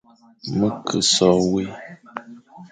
Me ke so wé,